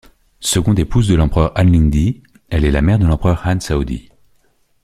Seconde épouse de l'empereur Han Lingdi, elle est la mère de l'empereur Han Shaodi.